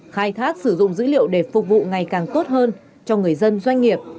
khai thác sử dụng dữ liệu để phục vụ ngày càng tốt hơn cho người dân doanh nghiệp